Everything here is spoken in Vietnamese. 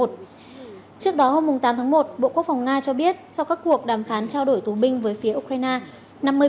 trước đó hôm tám tháng một bộ quốc phòng nga cho biết sau các cuộc đàm phán trao đổi tù binh với phía ukraine